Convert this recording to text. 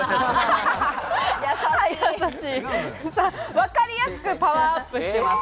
わかりやすくパワーアップしています。